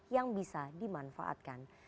yang bisa dimanfaatkan